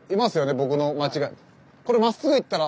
僕の間違い。